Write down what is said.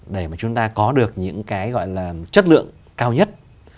để mà chúng ta có được những cái gọi là chất lượng cao nhất